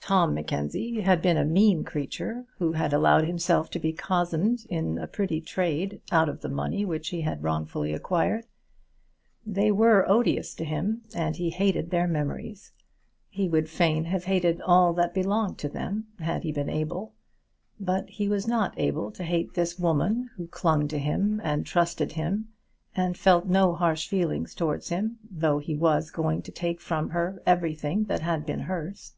Tom Mackenzie had been a mean creature who had allowed himself to be cozened in a petty trade out of the money which he had wrongfully acquired. They were odious to him, and he hated their memories. He would fain have hated all that belonged to them, had he been able. But he was not able to hate this woman who clung to him, and trusted him, and felt no harsh feelings towards him, though he was going to take from her everything that had been hers.